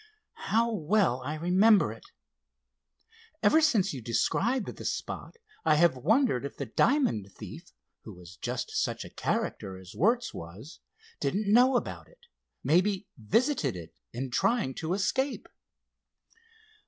"How well I remember it! Ever since you described the spot, I have wondered if the diamond thief, who was just such a character as Wertz was, didn't know about it, maybe visited it in trying to escape."